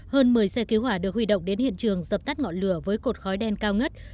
hơn một mươi xe cứu hỏa được huy động đến hiện trường dập tắt ngọn lửa với cột khói đen cao ngất